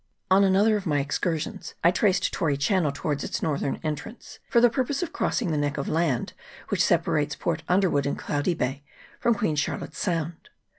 On another of my excursions I traced Tory Chan nel towards its northern entrance, for the purpose of crossing the neck of land which separates Port Underwood in Cloudy Bay from Queen Charlotte's Sound.